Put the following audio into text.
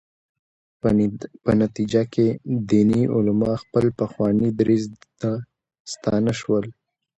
په نتیجه کې دیني علما خپل پخواني دریځ ته ستانه شول.